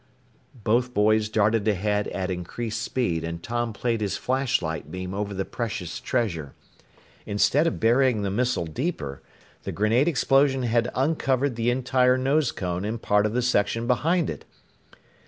_" Both boys darted ahead at increased speed, and Tom played his flashlight beam over the precious treasure. Instead of burying the missile deeper, the grenade explosion had uncovered the entire nose cone and part of the section behind it!